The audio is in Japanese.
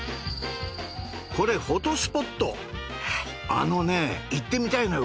あのね行ってみたいのよ